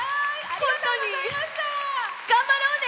本当に頑張ろうね！